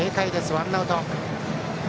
ワンアウト。